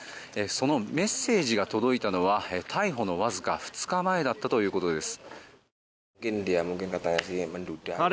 そのメッセージが届いたのは逮捕のわずか２日前だったということです。